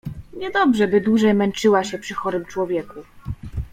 Niedobrze, by dłużej męczyła się przy chorym człowieku.